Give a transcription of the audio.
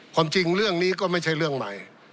ความจริงเรื่องนี้ก็ไม่ใช่เรื่องใหม่